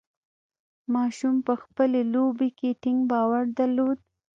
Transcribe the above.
ماشوم په خپلې لوبې کې ټینګ باور درلود.